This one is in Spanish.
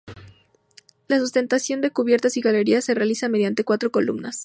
La sustentación de cubierta y galerías se realiza mediante cuatro columnas.